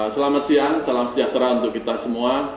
selamat siang salam sejahtera untuk kita semua